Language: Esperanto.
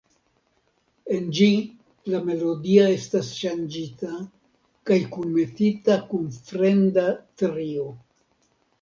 En ĝi la melodio estas ŝanĝita kaj kunmetita kun fremda trio.